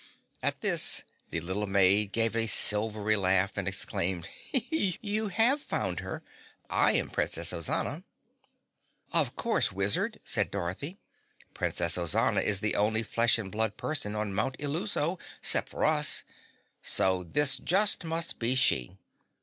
At this the little maid gave a silvery laugh and exclaimed, "You have found her I am Princess Ozana!" "Of course, Wizard," said Dorothy, "Princess Ozana is the only flesh and blood person on Mount Illuso 'cept for us, so this just must be she.